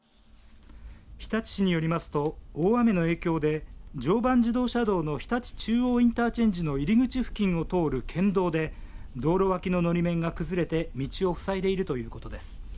日立市によりますと大雨の影響で常磐自動車道の日立中央インターチェンジ付近の入り口付近を通る県道で道路脇ののり面が崩れて位置を塞いでいるということです。